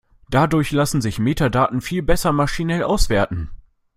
Dadurch lassen sich Metadaten viel besser maschinell auswerten.